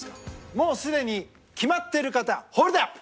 もうすでに決まっている方ホールドアップ！